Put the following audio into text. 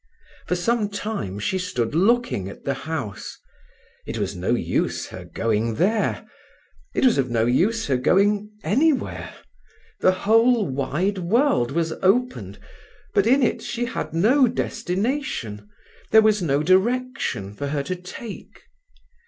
For some time she stood looking at the house. It was no use her going there; it was of no use her going anywhere; the whole wide world was opened, but in it she had no destination, and there was no direction for her to take.